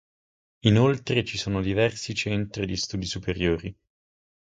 Inoltre ci sono diversi centri di studi superiori.